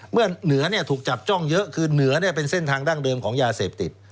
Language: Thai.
เหนือถูกจับจ้องเยอะคือเหนือเป็นเส้นทางดั้งเดิมของยาเสพติด